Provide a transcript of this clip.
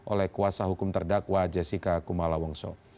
oleh kuasa hukum terdakwa jessica kumala wongso